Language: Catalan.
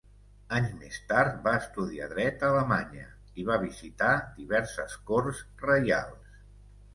Anys més tard va estudiar dret a Alemanya i va visitar diverses corts reials.